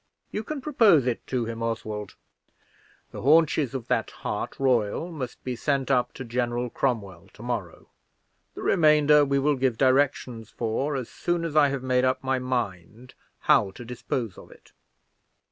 You can propose it to him, Oswald. The hunches of that hart royal must be sent up to General Cromwell to morrow: the remainder we will give directions for, as soon as I have made up my mind how to dispose of it."